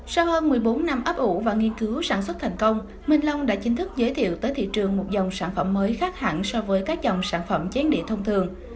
sau hơn một mươi bốn năm ấp ủ và nghiên cứu sản xuất thành công minh long đã chính thức giới thiệu tới thị trường một dòng sản phẩm mới khác hẳn so với các dòng sản phẩm chén địa thông thường